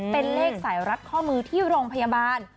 เป็นเลขสายรัดข้อมือที่โรงพยาบาล